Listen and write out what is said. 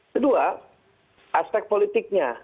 kedua aspek politiknya